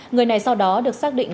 người này sau đó được xác định